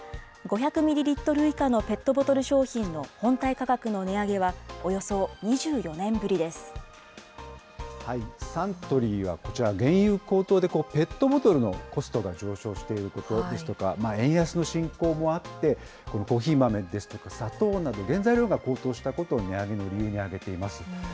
５００ミリリットル以下のペットボトル商品の本体価格の値上げは、サントリーはこちら、原油高騰でペットボトルのコストが上昇していることですとか、円安の進行もあって、コーヒー豆ですとか砂糖など、原材料が高騰したことを値上げの理由に挙げています。